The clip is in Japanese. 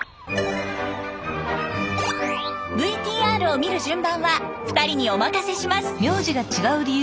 ＶＴＲを見る順番は２人にお任せします。